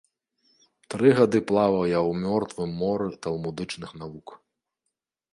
Тры гады плаваў я ў мёртвым моры талмудычных навук.